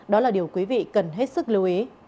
đó là điều quý vị cần hết sức lưu ý